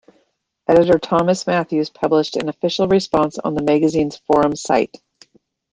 Editor Thomas Matthews published an official response on the magazine's forum site.